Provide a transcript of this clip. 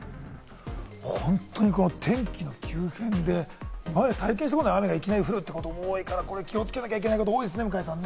本当に天気の急変で今まで体験したことない雨が降るってこと多いから気をつけなきゃいけないこと多いですね、向井さん。